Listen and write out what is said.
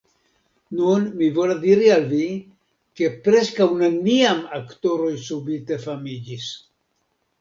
Nun, mi volas diri al vi, ke preskaŭ neniam aktoroj subite famiĝis.